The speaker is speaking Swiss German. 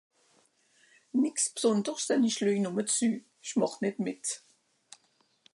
nìx b'sonderscht den ìsch leij nùmme zu sch'màch nìt mìt